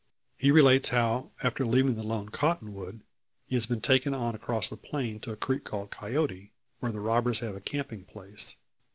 He relates, how, after leaving the lone cottonwood, he was taken on across the plain to a creek called Coyote, where the robbers have a camping place.